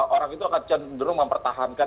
orang itu akan cenderung mempertahankan